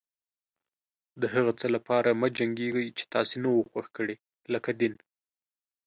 د هغه څه لپاره مه جنګيږئ چې تاسې نه و خوښ کړي لکه دين.